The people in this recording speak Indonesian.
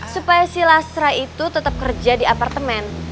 supaya si lasra itu tetap kerja di apartemen